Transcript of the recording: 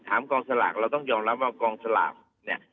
กองสลากเราต้องยอมรับว่ากองสลากเนี่ย